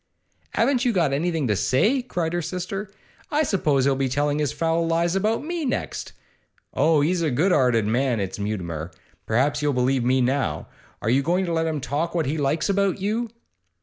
'Haven't you got anything to say?' cried her sister. 'I suppose he'll be telling his foul lies about me next. Oh, he's a good 'earted man, is Mutimer! Perhaps you'll believe me now. Are you going to let him talk what he likes about you?